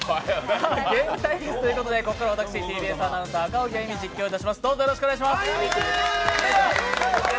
ゲーム対決ということで、ここからは私ＴＢＳアナウンサー・赤荻歩が実況いたします。